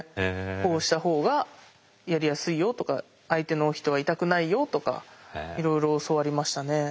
こうした方がやりやすいよとか相手の人は痛くないよとかいろいろ教わりましたね。